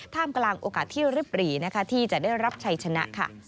ท่ามกลางโอกาสที่ริปรีที่จะได้รับชัยชนะ